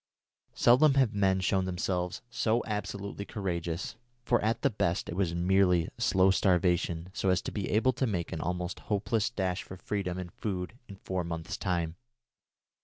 Seldom have men shown themselves so absolutely courageous, for at the best it was merely slow starvation so as to be able to make an almost hopeless dash for freedom and food in four months' time.